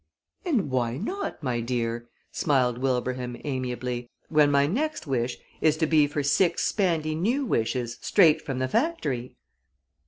"And why not, my dear," smiled Wilbraham, amiably, "when my next wish is to be for six spandy new wishes straight from the factory?"